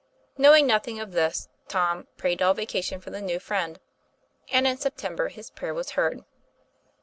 Knowing nothing of this, Tom prayed all vaca tion for the new friend; and in September his prayer was heard.